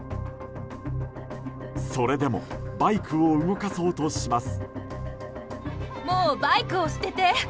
それでもバイクを動かそうとします。